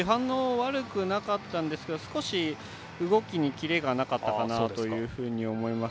悪くなかったんですが少し、動きにキレがなかったかなと思います。